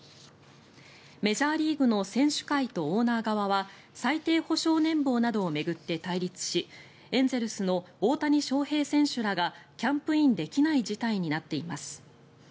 メジャーリーグの選手会とオーナー側は最低保証年俸などを巡って対立しエンゼルスの大谷翔平選手らがキャンプインできない事態になっています。